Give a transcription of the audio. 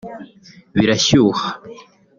birashyuha